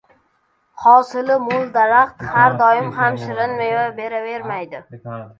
• Hosili mo‘l daraxt har doim ham shirin meva beravermaydi.